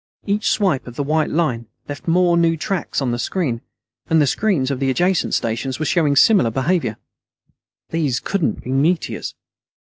Each swipe of the white line left more new tracks on the screen. And the screens for the adjacent stations were showing similar behavior. These couldn't be meteors.